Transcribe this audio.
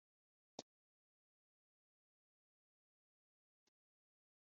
yararitse bene wabo n’incuti ze